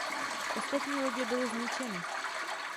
Ostatní lodě byly zničeny.